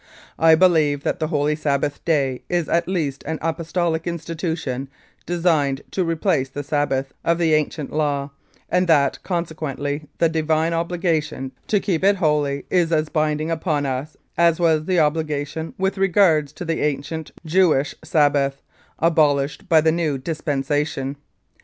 I believe that the Holy Sabbath Day is at least an apostolic institution designed to replace the Sabbath of the ancient law, and that consequently the divine obligation to keep it holy is as binding upon us as was the obligation with regards to the ancient Jewish Sabbath, abolished by the new dispensation.